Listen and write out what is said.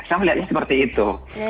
saya melihatnya seperti itu